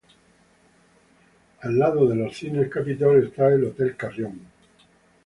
Al lado de los Cines Capitol está el hotel Carrión.